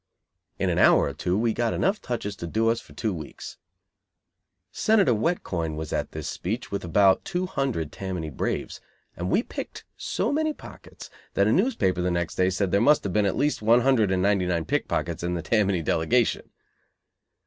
In an hour or two we got enough touches to do us for two weeks. Senator Wet Coin was at this speech with about two hundred Tammany braves, and we picked so many pockets that a newspaper the next day said there must have been at least one hundred and ninety nine pickpockets in the Tammany delegation.